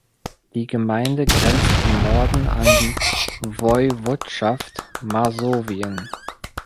Die Gemeinde grenzt im Norden an die Woiwodschaft Masowien.